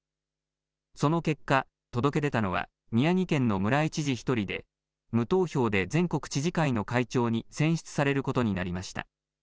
その結果、届け出たのは宮城県の村井知事１人で、無投票で全国知事会の会長に選出されることになりました。